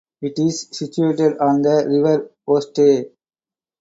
It is situated on the river Oste.